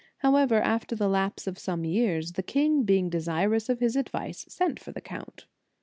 How ever, after the lapse of some years, the king being desirous of his advice, sent for the count.